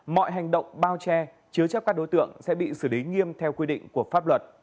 mọi hành động bao che chứa chấp các đối tượng sẽ bị xử lý nghiêm theo quy định của pháp luật